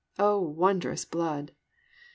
Oh, wondrous blood! 6.